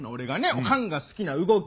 おかんが好きな動き